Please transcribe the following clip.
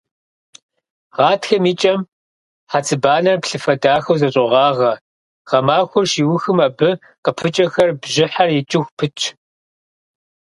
Гъатхэм и кӀэм хьэцыбанэр плъыфэ дахэу зэщӀогъагъэ, гъэмахуэр щиухым абы къыпыкӀэхэр бжьыхьэр икӀыху пытщ.